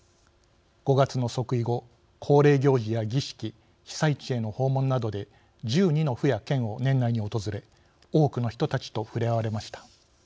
５月の即位後恒例行事や儀式被災地への訪問などで１２の府や県を年内に訪れ多くの人たちと触れ合われました。